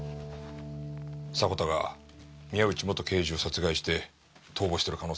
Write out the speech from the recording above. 迫田が宮内元刑事を殺害して逃亡している可能性が高いな。